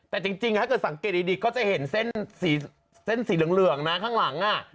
แต่จริงถ้าเกิดสังเกตดีก็จะเห็นเส้นสีเหลืองนะข้างหลัง